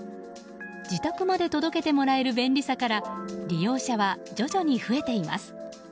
自宅まで届けてもらえる便利さから利用者は徐々に増えています。